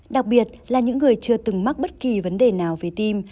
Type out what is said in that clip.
đặc biệt là những người chưa từng mắc bất kỳ vấn đề nào về tim